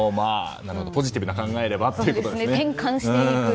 なるほど、ポジティブに考えればということですね。